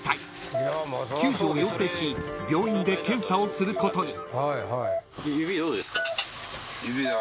［救助を要請し病院で検査をすることに］